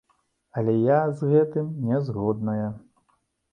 Але я з гэтым не згодная.